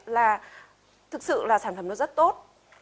là thực sự là sản phẩm nó rất tốt